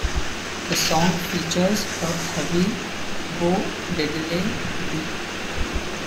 The song features a heavy Bo Diddley beat.